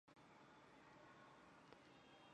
斯托克斯位移。